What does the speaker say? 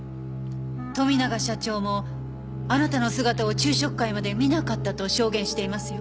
富永社長もあなたの姿を昼食会まで見なかったと証言していますよ。